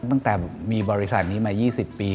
ตั้งแต่มีบริษัทนี้มา๒๐ปี